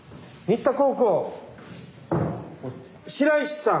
白石さん！